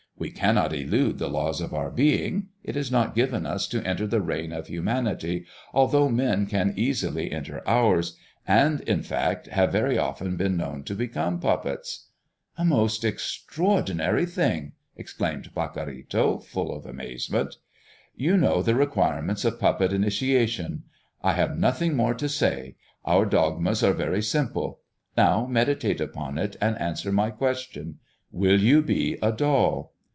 We cannot elude the laws of our being, it is not given us to enter the reign of humanity, although men can easily enter ours, and in fact have very often been known to become puppets." "A most extraordinary thing!" exclaimed Pacorrito, full of amazement. "You know the requirements of puppet initiation. I have nothing more to say. Our dogmas are very simple. Now, meditate upon it, and answer my question, Will you be a doll?"